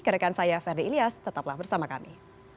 kedekan saya verde ilyas tetaplah bersama kami